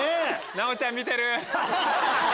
奈央ちゃん見てる？